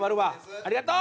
ありがとう！